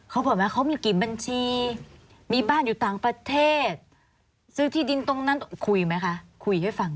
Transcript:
เขาบอกไหมเขามีกี่บัญชีมีบ้านอยู่ต่างประเทศซื้อที่ดินตรงนั้นคุยไหมคะคุยให้ฟัง